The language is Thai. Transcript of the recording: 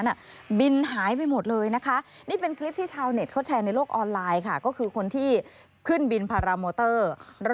นี่มีแมงวันหรือว่าพารามอเตอร์